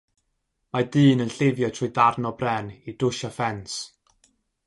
Mae dyn yn llifio trwy ddarn o bren i drwsio ffens.